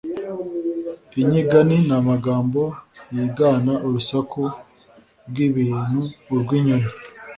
Inyigana ni amagambo yigana urusaku rw ibintu urw inyoni